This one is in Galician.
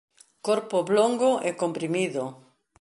Corpo oblongo e comprimido.